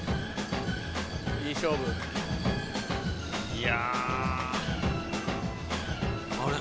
いや。あれ？